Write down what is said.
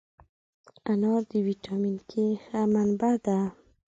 انار د ویټامین K ښه منبع ده.